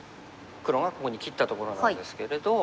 黒がここに切ったところなんですけれど。